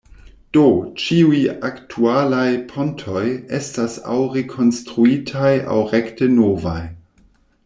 Do, ĉiuj aktualaj pontoj estas aŭ rekonstruitaj aŭ rekte novaj.